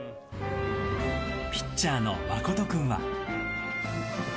ピッチャーの真実君は。